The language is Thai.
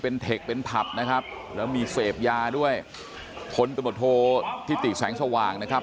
เป็นเทคเป็นผับนะครับแล้วมีเสพยาด้วยพลตำรวจโทษทิติแสงสว่างนะครับ